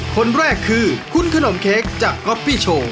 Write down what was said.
คนแรกคือคุณขนมเค้กจากก๊อปปี้โชว์